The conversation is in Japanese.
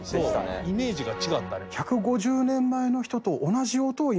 イメージが違ったね。